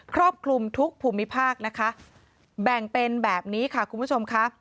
ครอบคลุมทุกภูมิภาคนะคะแบ่งเป็นแบบนี้ค่ะคุณผู้ชมค่ะ